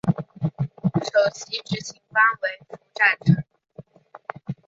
首席执行官为符展成。